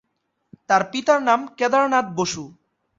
তার পিতার নাম কেদারনাথ বসু।